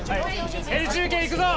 ヘリ中継いくぞ。